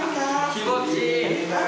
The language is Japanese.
気持ちいい。